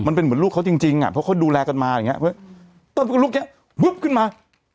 มันเป็นเหมือนลูกเขาจริงจริงอ่ะเพราะเขาดูแลกันมาอย่างเงี้เพื่อต้นลูกเนี้ยวึ๊บขึ้นมา